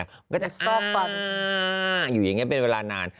มันก็จะซอกฟันอยู่อย่างนี้เป็นเวลานาน